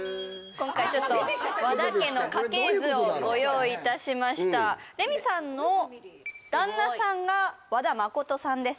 今回ちょっとあっ出てきちゃった和田家の家系図をご用意いたしましたレミさんの旦那さんが和田誠さんですね